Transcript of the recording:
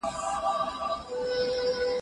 دا هغه کتاب دی چي زه یې لولم.